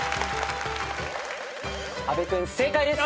阿部君正解です。